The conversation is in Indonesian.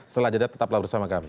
setelah jeda tetaplah bersama kami